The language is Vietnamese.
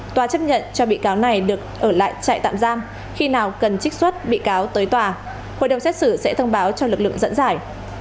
tòa chấp nhận cho bị cáo này được ở lại trại tạm giam khi nào cần trích xuất bị cáo tới tòa hội đồng xét xử sẽ thông báo cho lực lượng dẫn giải